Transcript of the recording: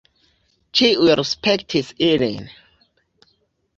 Ĉiuj respektis ilin.